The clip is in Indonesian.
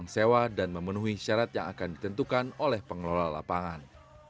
sewa dan memenuhi syarat yang akan ditentukan oleh pengelola lapangan